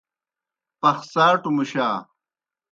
پخڅاٹوْ مُشا۔